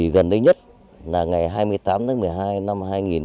gần đây nhất là ngày hai mươi tám tháng một mươi hai năm hai nghìn một mươi chín